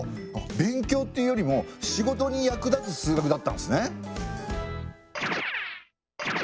勉強っていうよりも仕事に役立つ数学だったんですね。